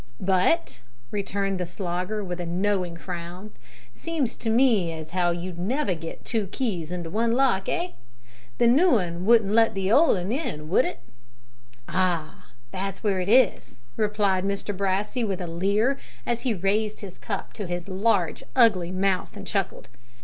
"But," returned the Slogger, with a knowing frown, "seems to me as how you'd never get two keys into one lock eh? The noo 'un wouldn't let the old 'un in, would it?" "Ah, that's where it is," replied Mr Brassey, with a leer, as he raised his cup to his large ugly mouth and chuckled.